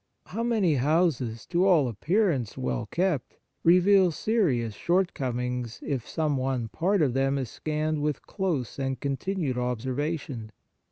How many houses, to all appearance well kept, reveal 129 i On the Exercises of Piety serious shortcomings if some one part of them is scanned with close and continued observation.